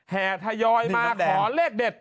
แห่ทยอยมาขอเลขเด็ด